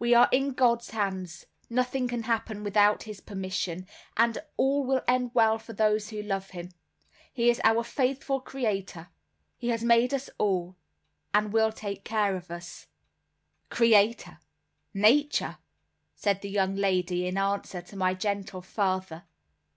"We are in God's hands: nothing can happen without his permission, and all will end well for those who love him. He is our faithful creator; He has made us all, and will take care of us." "Creator! Nature!" said the young lady in answer to my gentle father.